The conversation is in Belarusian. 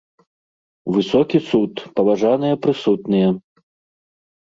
Высокі суд, паважаныя прысутныя!